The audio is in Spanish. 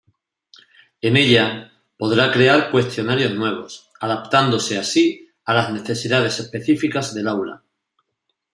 En ella, podrá crear cuestionarios nuevos, adaptándose así a las necesidades específicas del aula.